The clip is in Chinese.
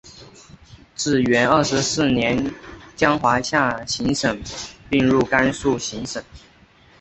至元二十四年将宁夏行省并入甘肃行省。